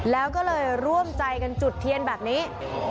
แล้วก็เลยร่วมใจกันจุดเทียนแบบนี้